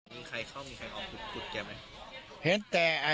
มีใครเข้ามีใครออกจุดขุดแกไหม